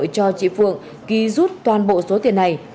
cho chị phượng ký rút toàn bộ số tiền này